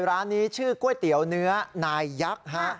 ร้านนี้ชื่อก๋วยเตี๋ยวเนื้อนายยักษ์ฮะ